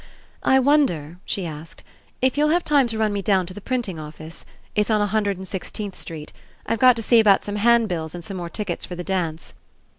"I wonder," she asked, "if you'll have time to run me down to the printing office. It's on a Hundred and Sixteenth Street. I've got to see about some handbills and some more tick ets for the dance."